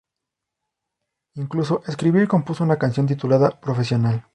Incluso escribió y compuso una canción titulada "profesional".